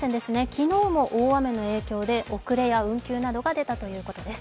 昨日も大雨の影響で送れや運休などが出たということです。